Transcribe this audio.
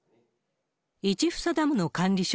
市房ダムの管理所